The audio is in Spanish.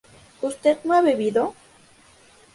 ¿usted no ha bebido?